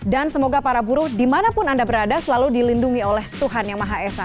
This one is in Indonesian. dan semoga para buruh dimanapun anda berada selalu dilindungi oleh tuhan yang maha esa